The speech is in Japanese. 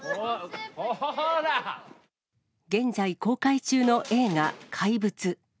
現在公開中の映画、怪物。